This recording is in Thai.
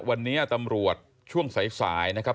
วันนี้ตำรวจช่วงสายนะครับ